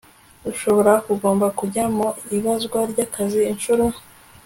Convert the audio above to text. Ushobora kugomba kujya mu ibazwa ry akazi inshuro